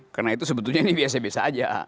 karena itu sebetulnya ini biasa biasa saja